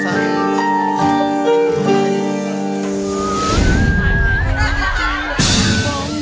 เพลงที่สี่